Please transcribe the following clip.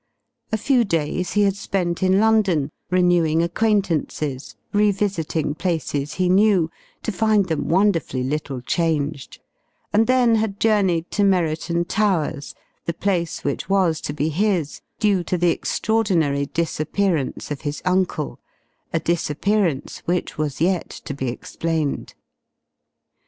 A few days he had spent in London, renewing acquaintances, revisiting places he knew to find them wonderfully little changed and then had journeyed to Merriton Towers, the place which was to be his, due to the extraordinary disappearance of his uncle a disappearance which was yet to be explained.